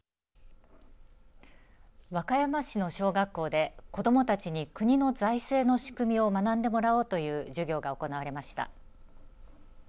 和歌山市の小学校で子どもたちに国の財政の仕組みを学んでもらおうという授業が行われました。